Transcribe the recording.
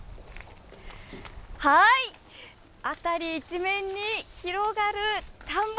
辺り一面に広がる田んぼ。